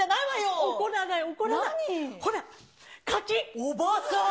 おばさん。